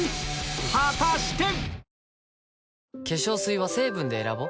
果たして⁉